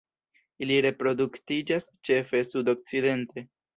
Ili reproduktiĝas ĉefe sudokcidente.